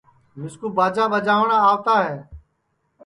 مِسکُو باجا ٻجاوٹؔا آوتا ہے